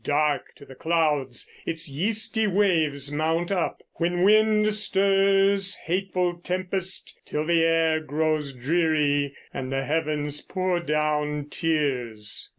Dark to the clouds its yeasty waves mount up When wind stirs hateful tempest, till the air Grows dreary, and the heavens pour down tears.